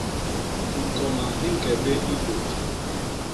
Hikoña hi ñke bé i gwét.